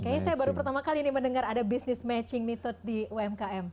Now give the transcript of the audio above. kayaknya saya baru pertama kali nih mendengar ada business matching metode di umkm